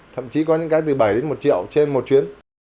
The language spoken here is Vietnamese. thậm chí có những cái từ bảy đến một triệu trên một chuyến